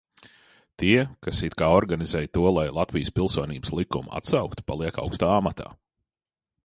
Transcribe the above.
Tie, kas it kā organizēja to, lai Latvijas Pilsonības likumu atsauktu, paliek augstā amatā.